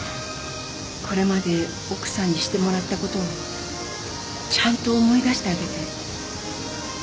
これまで奥さんにしてもらったことをちゃんと思い出してあげて。